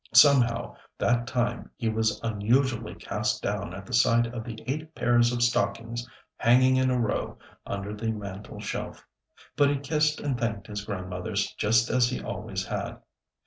Somehow that time he was unusually cast down at the sight of the eight pairs of stockings hanging in a row under the mantel shelf; but he kissed and thanked his Grandmothers just as he always had.